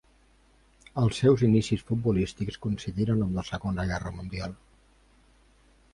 Els seus inicis futbolístics coincidiren amb la Segona Guerra Mundial.